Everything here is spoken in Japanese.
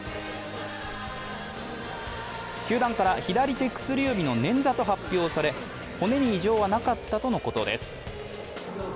球団から、左手薬指の捻挫と発表され骨に異常はなかったとのことです。